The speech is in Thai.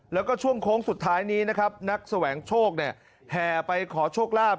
แล้วก็ช่วงโค้งสุดท้ายนี้นะครับนักแสวงโชคเนี่ยแห่ไปขอโชคลาภ